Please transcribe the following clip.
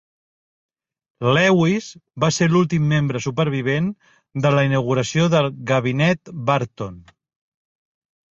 Lewis va ser l'últim membre supervivent de la inauguració del Gabinet Barton.